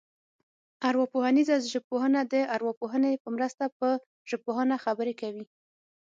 ارواپوهنیزه ژبپوهنه د ارواپوهنې په مرسته پر ژبپوهنه خبرې کوي